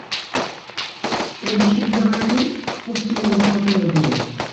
এই বিশ্ববিদ্যালয়টি পশ্চিমবঙ্গ সরকারের অধীনে।